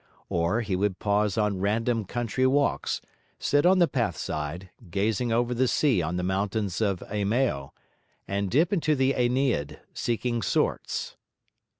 Or he would pause on random country walks; sit on the path side, gazing over the sea on the mountains of Eimeo; and dip into the Aeneid, seeking sortes.